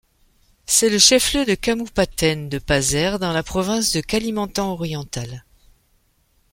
C'est le chef-lieu du kabupaten de Paser dans la province de Kalimantan oriental.